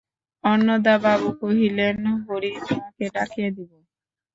অন্নদাবাবু কহিলেন, হরির মাকে ডাকিয়া দিব?